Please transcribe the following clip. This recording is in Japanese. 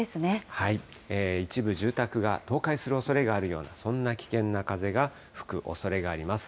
一部住宅が倒壊するおそれがあるような、そんな危険な風が吹くおそれがあります。